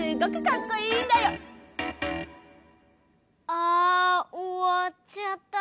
あおわっちゃった。